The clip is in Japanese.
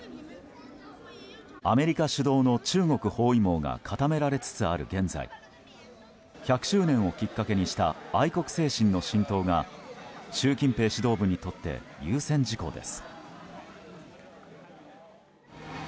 アメリカ主導の中国包囲網が固められつつある現在１００周年をきっかけにした愛国精神の浸透が習近平指導部にとって優先事項です。